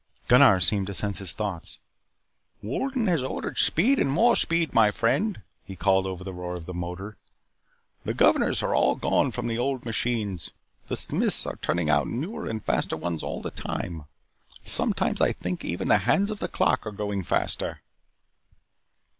Gunnar seemed to sense his thoughts. "Wolden has ordered speed and more speed, my friend," he called over the roar of the motor. "The governors are all gone from the old machines. The smiths are turning out newer and faster ones all the time. Sometimes I think even the hands of the clocks are going faster."